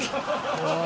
おい。